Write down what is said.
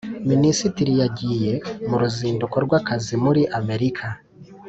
Minisitiri yagiye muruzinduko rw’akazi muri amerika